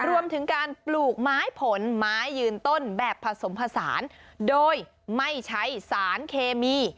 รวมถึงการปลูกไม้ผลไม้ยืนต้นแบบผสมผสานโดยไม่ใช้สารเคมี